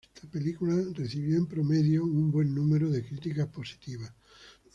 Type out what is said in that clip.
Esta película, recibió en promedio un buen número de críticas positivas.